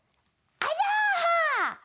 あら！